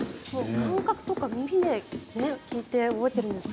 感覚とか、耳で聴いて覚えてるんですね。